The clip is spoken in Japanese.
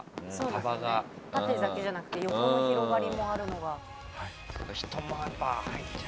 縦だけじゃなくて横の広がりが。